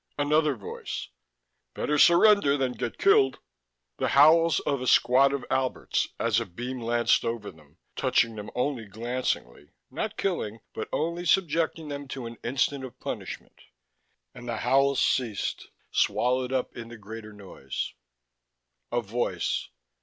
Another voice: "... better surrender than get killed...." The howls of a squad of Alberts as a beam lanced over them, touching them only glancingly, not killing but only subjecting them to an instant of "punishment"; and the howls ceased, swallowed up in the greater noise. A voice